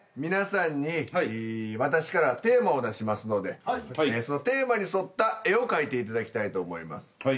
皆さんに私からテーマを出しますのでそのテーマに沿った絵を描いていただきたいと思います。